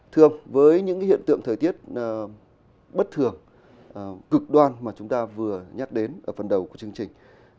thưa ông với những hiện tượng thời tiết bất thường cực đoan mà chúng ta vừa nhắc đến ở phần đầu của chương trình